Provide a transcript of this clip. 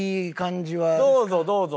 どうぞどうぞ。